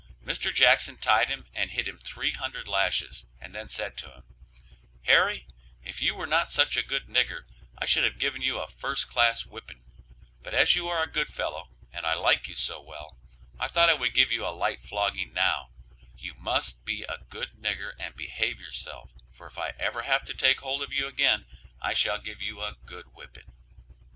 Mr. Jackson tied him and hit him three hundred lashes and then said to him, "Harry, if you were not such a good nigger I should have given you a first class whipping, but as you are a good fellow, and I like you so well, I thought I would give you a light flogging now; you must be a good nigger and behave yourself, for if I ever have to take hold of you again, I shall give you a good whipping."